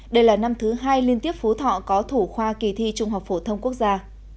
đây là năm thứ hai liên tiếp phú thọ có thủ khoa kỳ thi trung học phổ thông quốc gia